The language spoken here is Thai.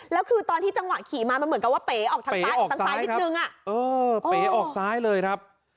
แล้วคือตอนที่จังหวะขี่มามันเหมือนกันว่าเป๋อออกทางซ้ายนึงอ่ะเป๋อออกซ้ายเลยครับ